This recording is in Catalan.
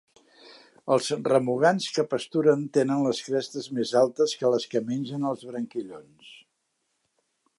Els remugants que pasturen tenen les crestes més altes que les que mengen els branquillons.